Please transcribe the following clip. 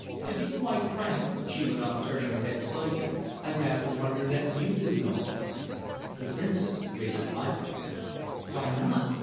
To be quite frank," she went on, turning her head slowly, "I rather wonder that you do, Mildred." The Princess raised her eyebrows. "Why not?